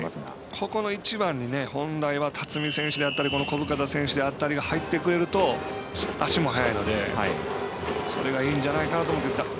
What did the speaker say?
ここの１番に本来は辰己選手であったり小深田選手であったりが入ってくれると足も速いのでそれがいいんじゃないかなと思うんですけど。